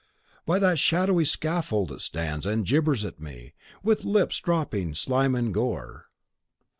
By that shadowy scaffold it stands and gibbers at me, with lips dropping slime and gore.